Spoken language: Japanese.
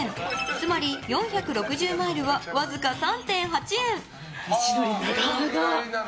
つまり４６０マイルはわずか３．８円。